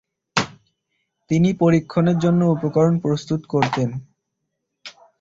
তিনি পরীক্ষণের জন্য উপকরণ প্রস্তুত করতেন।